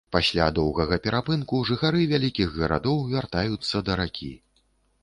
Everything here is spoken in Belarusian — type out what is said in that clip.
Пасля доўгага перапынку жыхары вялікіх гарадоў вяртаюцца да ракі.